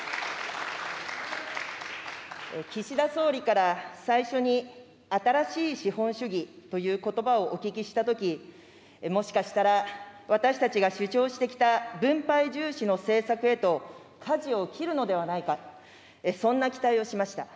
岸田総理から、最初に新しい資本主義ということばをお聞きしたとき、もしかしたら、私たちが主張してきた分配重視の政策へとかじを切るのではないか、そんな期待をしました。